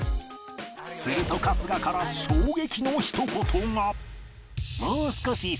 すると春日から衝撃のひと言が。